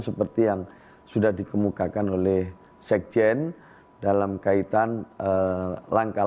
seperti yang sudah dikemukakan oleh sekjen dalam kaitan langkah